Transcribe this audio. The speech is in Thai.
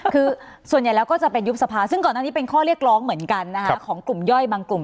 คือส่วนใหญ่แล้วก็จะเป็นยุบสภาซึ่งก่อนอันนี้เป็นข้อเรียกร้องเหมือนกันนะคะของกลุ่มย่อยบางกลุ่ม